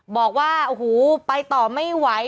บอกว่าโอ้โหไปต่อไม่ไหว